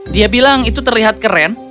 dia bilang itu terlihat keren